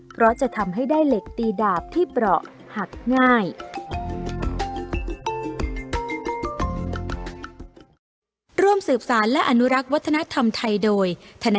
เพราะจะทำให้ได้เหล็กตีดาบที่เปราะหักง่าย